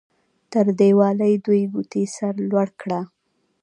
تر دیوالۍ دوې ګوتې سر لوړ کړه.